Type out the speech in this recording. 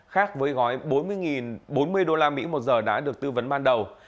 khác với gói bốn mươi đô la mỹ một giờ đã được tư vấn ban đầu